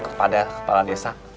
kepada kepala desa